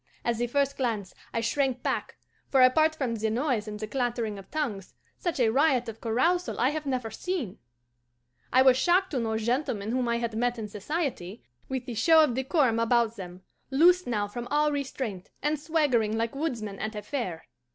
At the first glance I shrank back, for, apart from the noise and the clattering of tongues, such a riot of carousal I have never seen. I was shocked to note gentlemen whom I had met in society, with the show of decorum about them, loosed now from all restraint, and swaggering like woodsmen at a fair.